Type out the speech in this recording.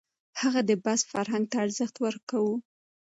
هغه د بحث فرهنګ ته ارزښت ورکاوه.